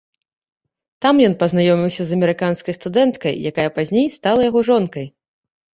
Там ён пазнаёміўся з амерыканскай студэнткай, якая пазней стала яго жонкай.